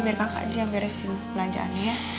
biar kakak aja yang beresin belanjaan nya ya